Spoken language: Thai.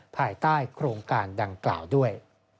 ภายใต้โครงการดังกล่าวด้วย